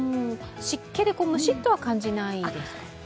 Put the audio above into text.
湿気でムシッとは感じないですか？